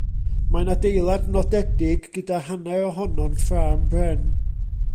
Mae'n adeilad nodedig gyda hanner ohono'n ffrâm bren.